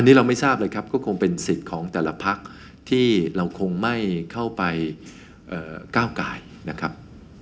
นี่เราไม่ทราบเลยครับก็คงเป็นสิทธิ์ของแต่ละพักที่เราคงไม่เข้าไปก้าวกายนะครับ